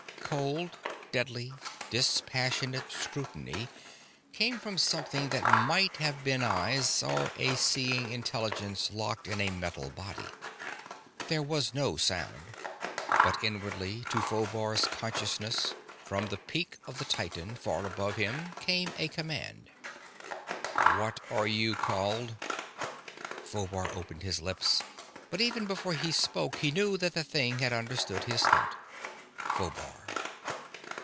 Cold, deadly, dispassionate scrutiny came from something that might have been eyes, or a seeing intelligence locked in a metal body. There was no sound, but inwardly to Phobar's consciousness from the peak of the titan far above him came a command: "What are you called?" Phobar opened his lips but even before he spoke, he knew that the thing had understood his thought: "Phobar."